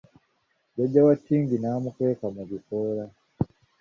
Jjajja wa Tingi n'amukweka mu bikoola.